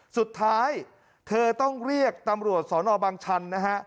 สุดท้ายเธอต้องเรียกตำรวจสนบางชันนะฮะ